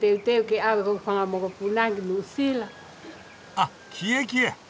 あっキエキエ。